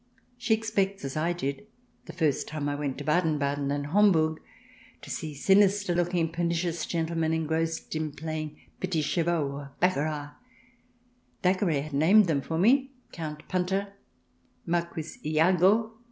She expects, as I did, the first time I went to Baden Baden and Homburg, to see sinister looking, per nicious gentlemen engrossed in playing petits chevaux, or baccarat — Thackeray had named them for me, Count Punter, Marquis lago.